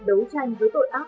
đấu tranh với tội ác